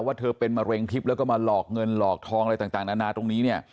เธอเป็นมะเร็งทิพย์แล้วก็มาหลอกเงินหลอกทองอะไรต่างนานาตรงนี้เนี่ย